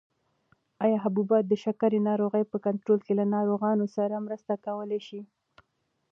ایا حبوبات د شکرې ناروغۍ په کنټرول کې له ناروغانو سره مرسته کولای شي؟